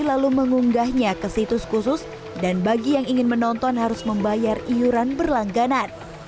lalu mengunggahnya ke situs khusus dan bagi yang ingin menonton harus membayar iuran berlangganan